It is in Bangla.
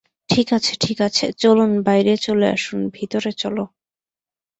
ঠিক আছে ঠিক আছে, চলুন বাইরে চলে আসুন ভিতরে চলো!